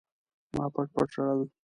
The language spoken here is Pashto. ما پټ پټ ژړل.